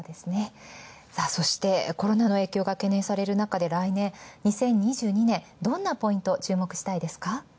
そしてコロナの影響が懸念される中で、来年２０２２年、どんなポイント、注目したいですか？